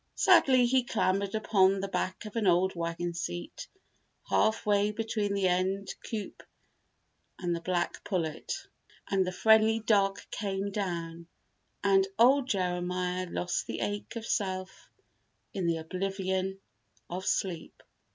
Sadly he clambered upon the back of an old wagon seat, half way between the end coop and the black pullet; and the friendly dark came down; and old Jeremiah lost the ache of self in the oblivion of sleep.